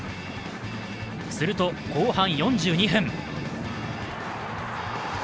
すると、後半４２分。